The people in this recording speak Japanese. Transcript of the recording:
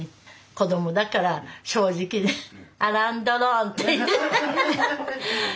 子供だから正直でアラン・ドロンって。